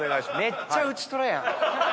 めっちゃ内トラやん。